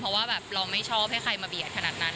เพราะว่าแบบเราไม่ชอบให้ใครมาเบียดขนาดนั้น